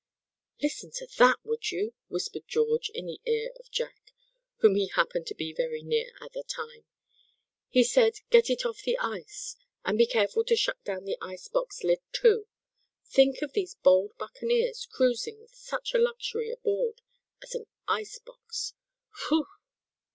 "Listen to that, would you?" whispered George in the ear of Jack, whom he happened to be very near at the time, "he said 'get it off the ice, and be careful to shut down the ice box lid too!' Think of these bold buccaneers cruising with such a luxury aboard as an ice box? Whew!"